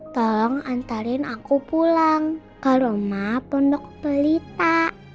tolong antarin aku pulang ke rumah pondok pelita